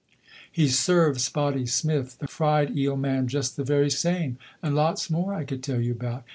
"He served Spotty Smith the fried eel man just the very same, and lots more I could tell you about.